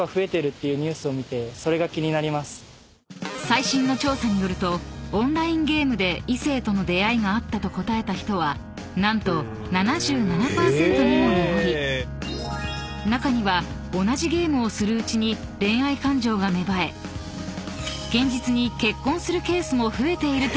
［最新の調査によるとオンラインゲームで異性との出会いがあったと答えた人は何と７７％にも上り中には同じゲームをするうちに恋愛感情が芽生え現実に］